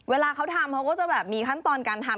เวลาเขาทำเขาก็จะแบบมีขั้นตอนการทำ